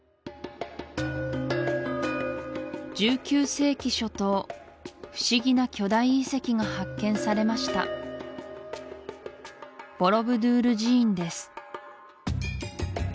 １９世紀初頭不思議な巨大遺跡が発見されましたボロブドゥール寺院です